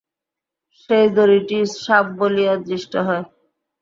সেই দড়িটিই সাপ বলিয়া দৃষ্ট হয়।